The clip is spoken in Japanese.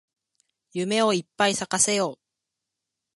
夢をいっぱい咲かせよう